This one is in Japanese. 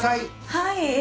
はい。